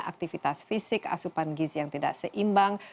aktivitas fisik asupan gizi yang tidak seimbang